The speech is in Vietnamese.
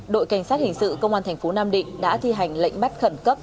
đội cảnh sát hình sự công an tp nam định đã thi hành lệnh bắt khẩn cấp